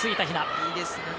いいですよね